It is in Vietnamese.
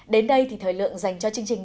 đến đây thì thời lượng dành cho chương trình